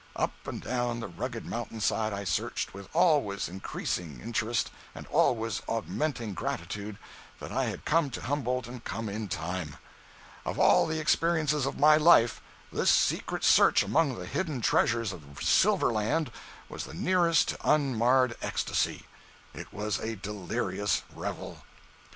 Up and down the rugged mountain side I searched, with always increasing interest and always augmenting gratitude that I had come to Humboldt and come in time. Of all the experiences of my life, this secret search among the hidden treasures of silver land was the nearest to unmarred ecstasy. It was a delirious revel.